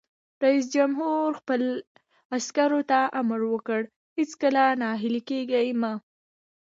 رئیس جمهور خپلو عسکرو ته امر وکړ؛ هیڅکله ناهیلي کیږئ مه!